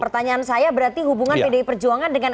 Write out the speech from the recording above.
pertanyaan saya berarti hubungan pdi perjuangan dengan